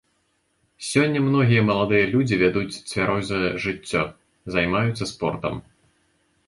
Сёння многія маладыя людзі вядуць цвярозае жыццё, займаюцца спортам.